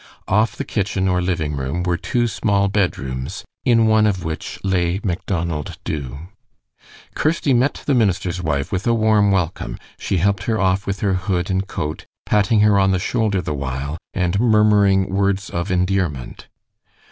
Off the kitchen or living room were two small bedrooms, in one of which lay Macdonald Dubh. Kirsty met the minister's wife with a warm welcome. She helped her off with her hood and coat, patting her on the shoulder the while, and murmuring words of endearment.